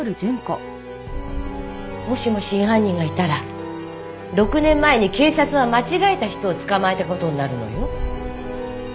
もしも真犯人がいたら６年前に警察は間違えた人を捕まえた事になるのよ。